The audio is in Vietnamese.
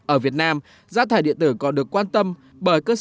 ở việt nam rác thải điện tử còn được quan tâm bởi cơ sở hạ tầng